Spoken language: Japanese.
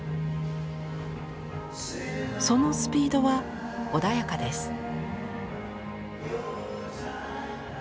そのスピードは穏やかです。